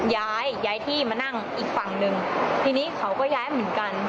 ย้ายย้ายที่มานั่งอีกฝั่งหนึ่งทีนี้เขาก็ย้ายเหมือนกัน